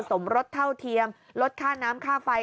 สมรสเท่าเทียมลดค่าน้ำค่าไฟ